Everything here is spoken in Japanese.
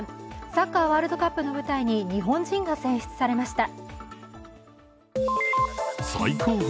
サッカーワールドカップの舞台に日本人が選出されました。